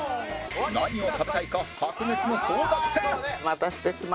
何を食べたいか白熱の争奪戦！